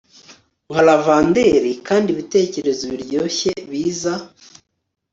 Nka lavender kandi ibitekerezo biryoshye biza